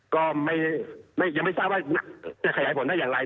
ก็ยังไม่ทราบว่าจะขยายผลได้อย่างไร